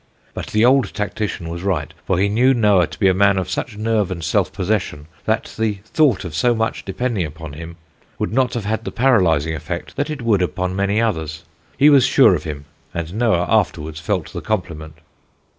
But the old tactician was right, for he knew Noah to be a man of such nerve and self possession, that the thought of so much depending upon him would not have the paralysing effect that it would upon many others. He was sure of him, and Noah afterwards felt the compliment.